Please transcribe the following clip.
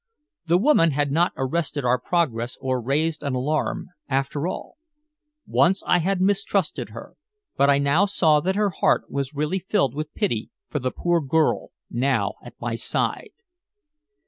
The woman had not arrested our progress or raised an alarm, after all. Once I had mistrusted her, but I now saw that her heart was really filled with pity for the poor girl now at my side.